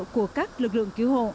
của người dân